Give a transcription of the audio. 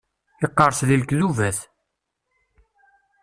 Yeqres deg lektubat.